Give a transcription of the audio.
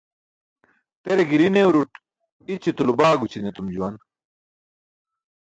Tere giri neuruṭ ićitulo baagući̇n etum juwan.